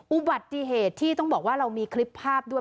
อุบัติเหตุที่ต้องบอกว่าเรามีคลิปภาพด้วย